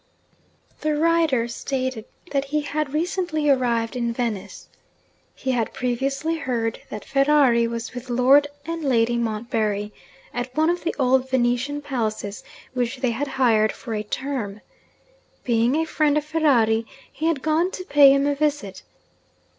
The writer stated that he had recently arrived in Venice. He had previously heard that Ferrari was with Lord and Lady Montbarry, at one of the old Venetian palaces which they had hired for a term. Being a friend of Ferrari, he had gone to pay him a visit.